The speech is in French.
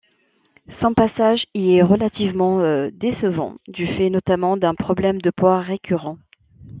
Son passage y est relativement décevant, du fait notamment d'un problème de poids récurrent.